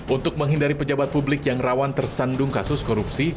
untuk menghindari pejabat publik yang rawan tersandung kasus korupsi